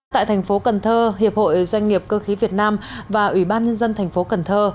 tại thành phố cần thơ hiệp hội doanh nghiệp cơ khí việt nam và ủy ban nhân dân thành phố cần thơ